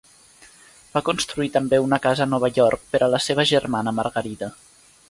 Va construir també una casa a Nova York per a la seva germana Margarida.